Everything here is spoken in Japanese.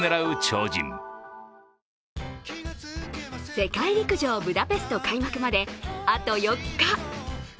世界陸上ブダペスト開幕まであと４日。